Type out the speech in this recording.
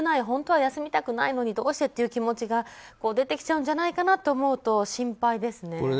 本当は休みたくないのにどうしてという気持ちが出てきちゃうんじゃないかと思うと心配ですね。